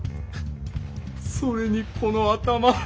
それにこの頭！